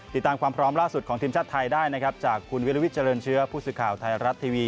ติดตามความพร้อมล่าสุดของทีมชาติไทยได้นะครับจากคุณวิลวิทเจริญเชื้อผู้สื่อข่าวไทยรัฐทีวี